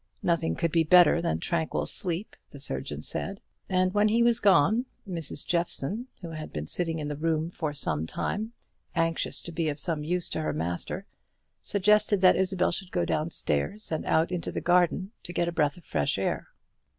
Nothing could be better than that tranquil sleep, the surgeon said; and when he was gone, Mrs. Jeffson, who had been sitting in the room for some time, anxious to be of use to her master, suggested that Isabel should go down stairs and out into the garden to get a breath of fresh air.